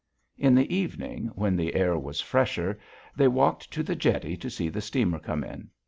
In the evening, when the air was fresher, they walked to the jetty to see the steamer come in.